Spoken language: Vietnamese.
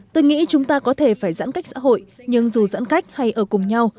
tôi nghĩ chúng ta có thể phải giãn cách xã hội nhưng dù giãn cách hay ở cùng nhau